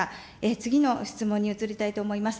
次の質問に移りたいと思います。